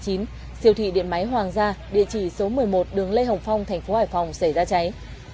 điện tử hoàng gia địa chỉ số một mươi một đường lê hồng phong thành phố hải phòng xảy ra cháy